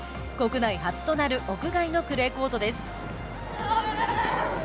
国内初となる屋外のクレーコートです。